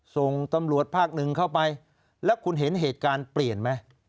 ส่งตำรวจภาคหนึ่งเข้าไปแล้วคุณเห็นเหตุการณ์เปลี่ยนไหม